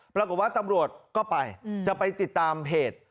ปรากฏว่าตำรวจก็ไปจะไปติดตามเพจ